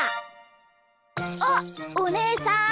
あっおねえさん。